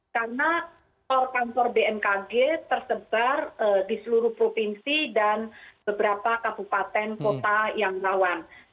karena perpansor bmkg tersebar di seluruh provinsi dan beberapa kabupaten kota yang lawan